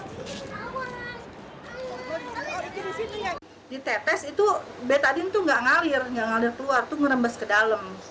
di tetes itu betadin itu nggak ngalir nggak ngalir keluar itu ngerembes ke dalam